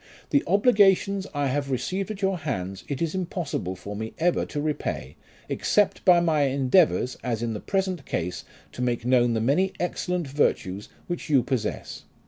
The obligations I have received at your hands, it is impossible for me ever to repay, except by my endeavours, as in the present case, to make known the many excellent virtues which you possess.